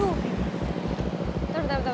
tunggu tunggu tunggu